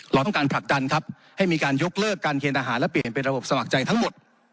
เราต้องการผลักดันครับให้มีการยกเลิกการเกณฑ์ทหารและเปลี่ยนเป็นระบบสมัครใจทั้งหมด